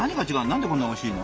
何でこんなおいしいの？